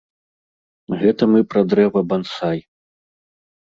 Гэта мы пра дрэва бансай.